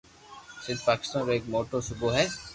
سندھ پاڪستان رو ايڪ موٽو صوبو ھي